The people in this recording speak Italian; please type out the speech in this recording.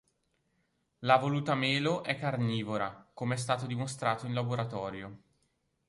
La voluta melo è carnivora, come è stato dimostrato in laboratorio.